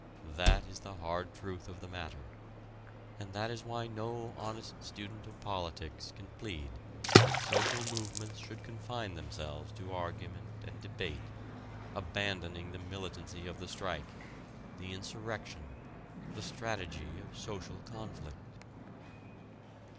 That is the hard truth of the matter. And that is why no honest student of politics can plead that social movements should confine themselves to argument and debate, abandoning the militancy of the strike, the insurrection, the strategy of social conflict.